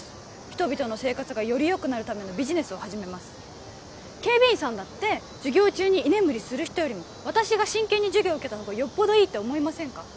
人々の生活がよりよくなるためのビジネスを始めます警備員さんだって授業中に居眠りする人よりも私が真剣に授業を受けたほうがよっぽどいいって思いませんか？